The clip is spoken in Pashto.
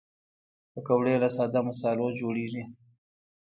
پکورې له ساده مصالحو جوړېږي